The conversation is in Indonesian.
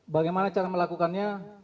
bagaimana cara melakukannya